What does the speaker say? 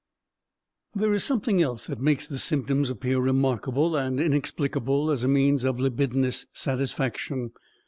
There is something else that makes the symptoms appear remarkable and inexplicable as a means of libidinous satisfaction.